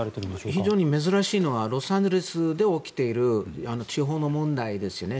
非常に珍しいのはロサンゼルスで起きている地方の問題ですよね。